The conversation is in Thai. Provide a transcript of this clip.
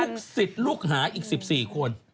ลูกศิษย์ลูกหาอีก๑๔คน